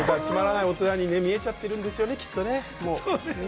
つまらない大人に見えちゃっているんですよね。